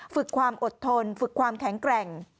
ฝึกความอดทนฝึกความแข็งแกร่ง